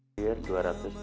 abang masuk deh bang